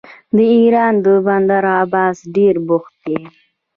د ایران بندر عباس ډیر بوخت دی.